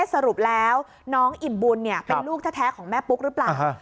สรุปแล้วน้องอิ่มบุญเป็นลูกแท้ของแม่ปุ๊กหรือเปล่า